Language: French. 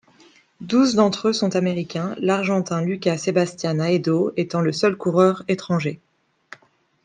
Douze d'entre eux sont américains, l'Argentin Lucas Sebastián Haedo étant le seul coureur étranger.